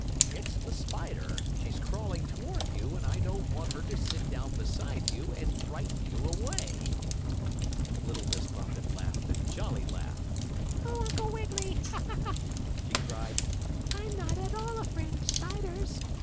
"It's the spider. She's crawling toward you, and I don't want her to sit down beside you, and frighten you away." Little Miss Muffet laughed a jolly laugh. "Oh, Uncle Wiggily!" she cried. "I'm not at all afraid of spiders!